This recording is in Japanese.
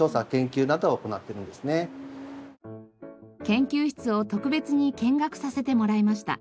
研究室を特別に見学させてもらいました。